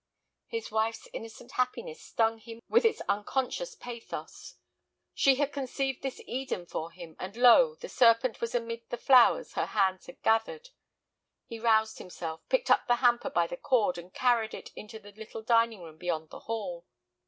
His wife's innocent happiness stung him with its unconscious pathos. She had conceived this Eden for him, and lo—the serpent was amid the flowers her hands had gathered. He roused himself, picked up the hamper by the cord, and carried it into the little dining room beyond the hall.